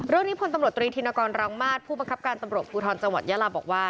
เรื่องนี้ผลตำรวจตรีธินกรรมรังมาศผู้บังคับการตำรวจภูทรจังหวัดยะลาบบอกว่า